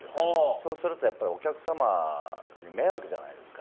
そうするとお客様に迷惑じゃないですか。